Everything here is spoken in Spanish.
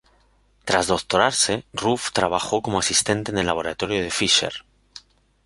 Tras doctorarse, Ruff trabajo como asistente en el laboratorio de Fischer.